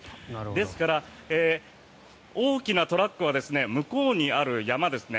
ですから、大きなトラックは向こうにある山ですね。